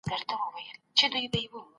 د ضرورت پر مهال مرسته وکړئ.